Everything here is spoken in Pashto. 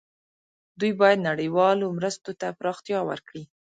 دوی باید نړیوالو مرستو ته پراختیا ورکړي.